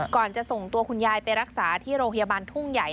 จะส่งตัวคุณยายไปรักษาที่โรงพยาบาลทุ่งใหญ่